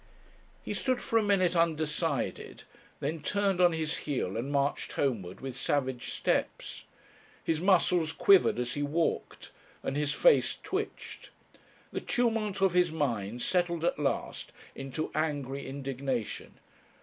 He stood for a minute undecided, then turned on his heel and marched homeward with savage steps. His muscles quivered as he walked, and his face twitched. The tumult of his mind settled at last into angry indignation.